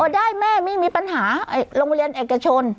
ได้แม่ไม่มีปัญหาโรงเรียนเอกชน